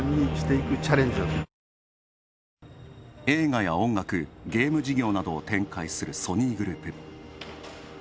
映画や音楽、ゲーム事業などを展開するソニーグループ。